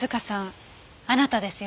あなたですよね？